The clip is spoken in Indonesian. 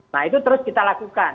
nah itu terus kita lakukan